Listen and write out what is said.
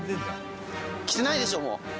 来てないでしょ、もう。